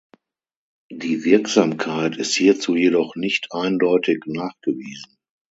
Die Wirksamkeit ist hierzu jedoch nicht eindeutig nachgewiesen.